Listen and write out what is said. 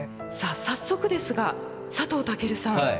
さあ早速ですが佐藤健さん。